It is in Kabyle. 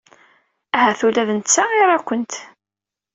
Ahat ula d netta ira-kent.